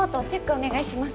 お願いします。